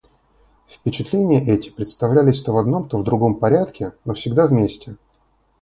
Впечатления эти представлялись то в одном, то в другом порядке, но всегда вместе.